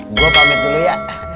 gue pamer dulu ya